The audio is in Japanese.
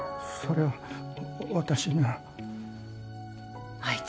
それは私には。